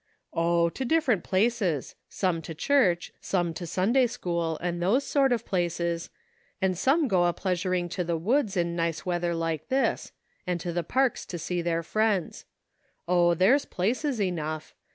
"Oh! to different places; some to church, Bome to Sunday school and those sort of places, 84 A NEW FRIEND. and some go a pleasuring to the woods in nice weather like this, and to the parks to see their friends. Oh ! there's places enough.